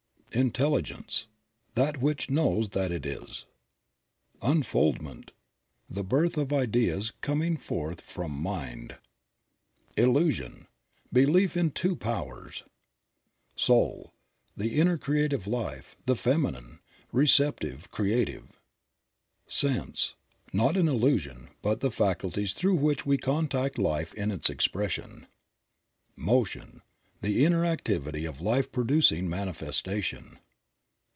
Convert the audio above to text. Intelligence. — That which knows that it is. Unfoldment. — The birth of ideas coming forth from Mind. Illusion. — Belief in two powers. Soul. — The inner creative life, the feminine, receptive, creative. Sense. — Not an illusion, but the faculties through which we contact life in its expression. Motion. — The inner activity of life producing manifestation.